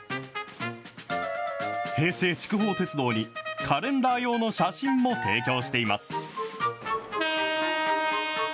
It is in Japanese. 平成筑豊鉄道にカレンダー用の写真も提供しています。